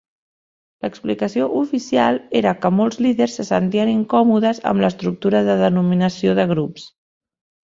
L'explicació oficial era que molts líders se sentien incòmodes amb l'estructura de denominació de grups.